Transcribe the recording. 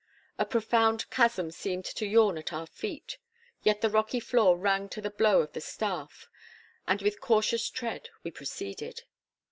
A profound chasm seemed to yawn at our feet; yet the rocky floor rang to the blow of the staff, and with cautious tread we proceeded.